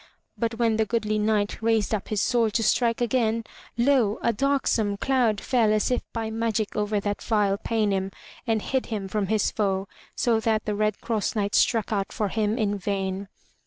But when the goodly Knight raised up his sword to strike again, lo! a darksome cloud fell as by magic over that vile Paynim and hid him from his foe, so that the Red Cross Knight struck out for him in vain.